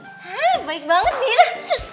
hah baik banget bira